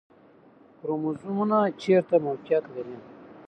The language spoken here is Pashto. کروموزومونه چیرته موقعیت لري؟